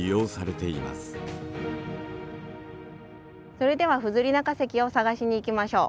それではフズリナ化石を探しに行きましょう。